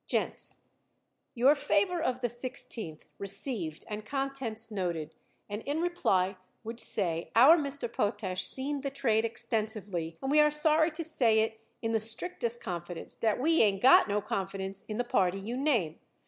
Gents: Your favor of the 16th inst. received and contents noted, and in reply would say our Mr. Potash seen the trade extensively and we are sorry to say it in the strictest confidence that we ain't got no confidence in the party you name.